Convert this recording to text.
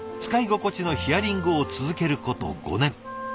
使い心地のヒアリングを続けること５年。